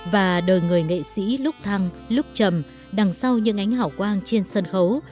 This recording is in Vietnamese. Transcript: và đời người nghệ sĩ lúc thăng lúc trầm đằng sau những ánh hảo quang trên sân khấu